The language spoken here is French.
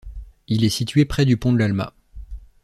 Il est situé près du pont de l'Alma.